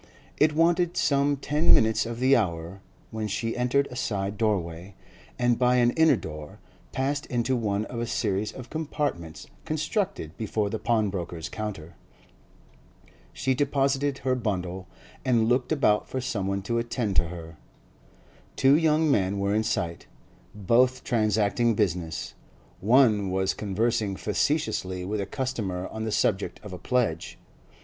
It wanted some ten minutes of the hour when she entered a side doorway, and, by an inner door, passed into one of a series of compartments constructed before the pawnbroker's counter. She deposited her bundle, and looked about for someone to attend to her. Two young men were in sight, both transacting business; one was conversing facetiously with a customer on the subject of a pledge.